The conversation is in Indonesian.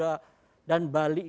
dan bali ini adalah cermin kebenekaan